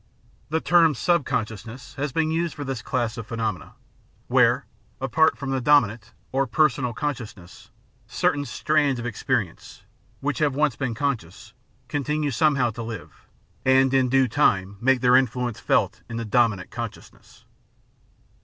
The term "subconsciousness" has been used for this class of phenomena, where, apart from the "dominant" or "personal" consciousness, certain strands of ex perience, which have once been conscious, continue somehow to live, and in due time make their influence felt in the dominant consciousness.